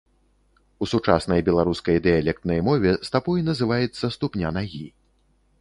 У сучаснай беларускай дыялектнай мове стапой называецца ступня нагі.